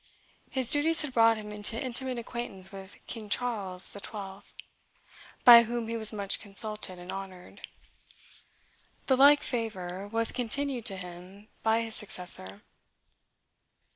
His duties had brought him into intimate acquaintance with King Charles XII., by whom he was much consulted and honored. The like favor was continued to him by his successor.